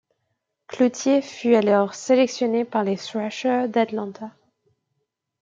Cloutier fut alors sélectionné par les Thrashers d'Atlanta.